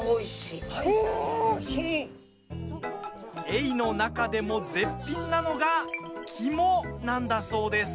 エイの中でも絶品なのが肝なんだそうです。